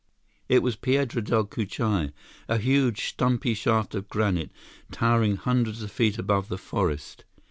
It was Piedra Del Cucuy, a huge, stumpy shaft of granite, towering hundreds of feet above the forest.